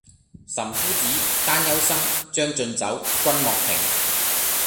岑夫子，丹丘生，將進酒，君莫停！